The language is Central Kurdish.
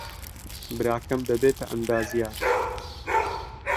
براکەم دەبێتە ئەندازیار.